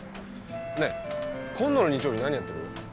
ねえ今度の日曜日何やってる？